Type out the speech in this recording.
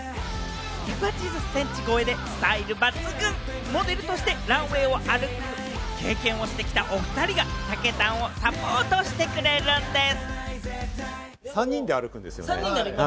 １８０センチ超えでスタイル抜群、モデルとしてランウェイを歩く経験をしてきたおふたりが、たけたんをサポートしてくれるんです。